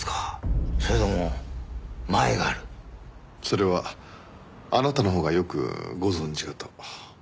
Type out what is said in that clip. それはあなたのほうがよくご存じかと。